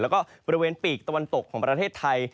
แล้วก็บริเวณปีกตะวันตกของประเทศไทย